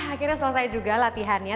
akhirnya selesai juga latihannya